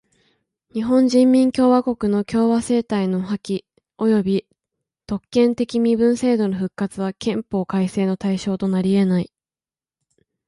日本人民共和国の共和政体の破棄および特権的身分制度の復活は憲法改正の対象となりえない。